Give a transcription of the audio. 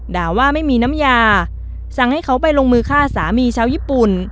ด่าว่าไม่มีน้ำยาสั่งให้เขาไปลงมือฆ่าสามีชาวญี่ปุ่น